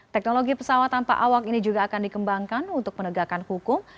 teknologi pesawat tanpa awak ini juga akan dikembangkan untuk penegakan hukum